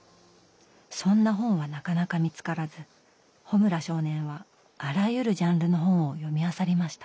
そんな本はなかなか見つからず穂村少年はあらゆるジャンルの本を読みあさりました。